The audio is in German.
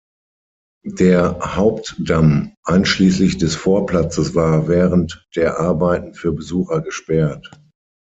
Der Hauptdamm einschließlich des Vorplatzes war während der Arbeiten für Besucher gesperrt.